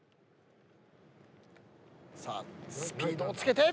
さあスピードをつけて。